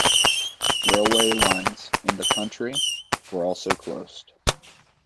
Railway lines in the county were also closed.